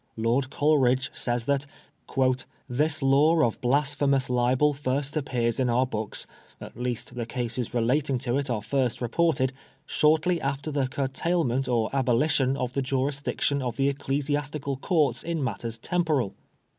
Lord Coleridge says that ^< this law of blasphemous libel first appears in our books — ^at least the cases relating to it are first reported — shortly after the curtailment or abolition of the jurisdiction of the Ecclesiastical Courts in matters temporal.